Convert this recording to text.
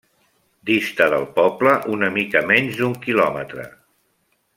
Dista del poble una mica menys d'un quilòmetre.